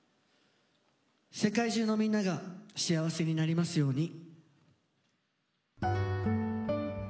世界中のみんなが幸せになりますように。